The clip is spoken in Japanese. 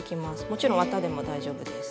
もちろん綿でも大丈夫です。